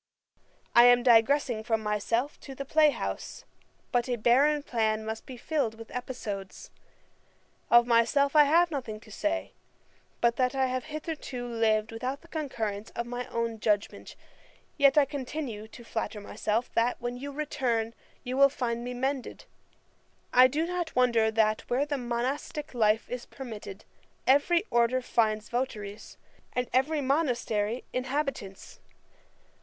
I am digressing from myself to the play house; but a barren plan must be filled with episodes. Of myself I have nothing to say, but that I have hitherto lived without the concurrence of my own judgment; yet I continue to flatter myself, that, when you return, you will find me mended. I do not wonder that, where the monastick life is permitted, every order finds votaries, and every monastery inhabitants.